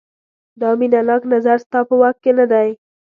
دا مینه ناک نظر ستا په واک کې نه دی.